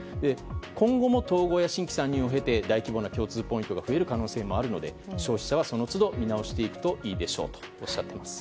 今後も統合や新規参入が増えて大規模な共通ポイントが増えると思うので消費者はその都度見なおしていくといいでしょうとおっしゃっています。